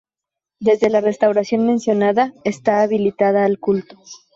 Desde la restauración mencionada, está habilitada al culto.